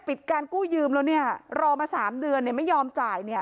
ปิดการกู้ยืมแล้วเนี่ยรอมาสามเดือนเนี่ยไม่ยอมจ่ายเนี่ย